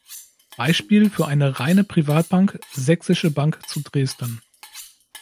Beispiel für eine „reine“ Privatbank: Sächsische Bank zu Dresden.